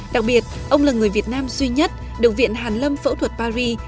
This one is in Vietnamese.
đặc biệt ông là người việt nam duy nhất được viện hàn lâm phẫu thuật paris